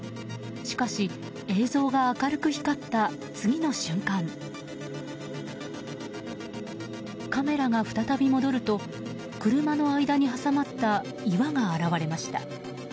しかし、映像が明るく光った次の瞬間カメラが再び戻ると車の間に挟まった岩が現れました。